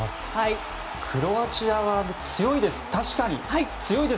クロアチアは強いです。